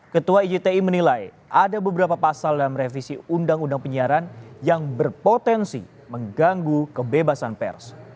ketua ijti menilai ada beberapa pasal dalam revisi undang undang penyiaran yang berpotensi mengganggu kebebasan pers